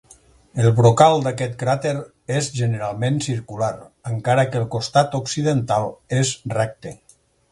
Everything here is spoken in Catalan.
El brocal d'aquest cràter és generalment circular, encara que el costat occidental és recte.